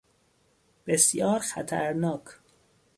بسیار خطرناک